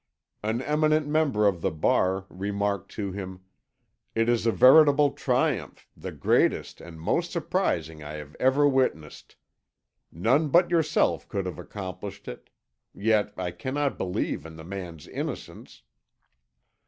An eminent member of the bar remarked to him: "It is a veritable triumph, the greatest and most surprising I have ever witnessed. None but yourself could have accomplished it. Yet I cannot believe in the man's innocence."